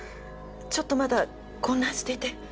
ちょっとまだ混乱していて。